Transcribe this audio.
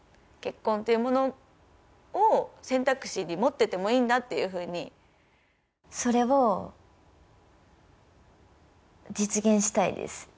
結婚っていうものを選択肢に持っててもいいんだっていうふうにそれを実現したいです